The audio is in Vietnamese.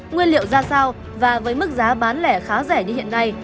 nguyên liệu ra sao và với mức giá bán lẻ khá rẻ như hiện nay